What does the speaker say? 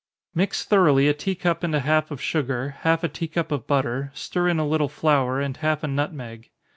_ Mix thoroughly a tea cup and a half of sugar, half a tea cup of butter, stir in a little flour, and half a nutmeg.